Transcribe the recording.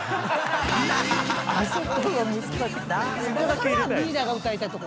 それリーダーが歌いたいとこ。